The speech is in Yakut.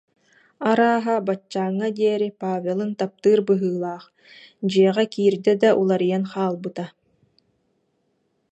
Арааһа, баччааҥҥа диэри Павелын таптыыр быһыылаах, дьиэҕэ киирдэ да уларыйан хаалбыта